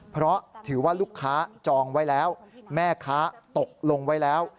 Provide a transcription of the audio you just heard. เพราะถือว่าลูกค้าจองไว้แล้วแม่ค้าตกลงไว้แล้ว